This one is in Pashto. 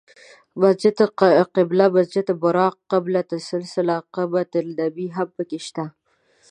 مسجد قبله، مسجد براق، قبة السلسله، قبة النبی هم په کې شته.